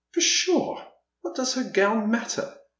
"Pshaw, what does her gown matter?